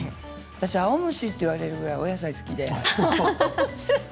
私、青虫と言われるぐらいお野菜が好きで。